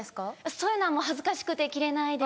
そういうのはもう恥ずかしくて着れないです。